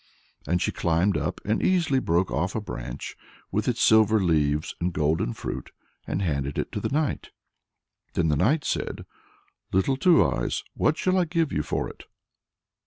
And she climbed up and easily broke off a branch, with its silver leaves and golden fruit, and handed it to the knight. Then the knight said, "Little Two Eyes, what shall I give you for it?"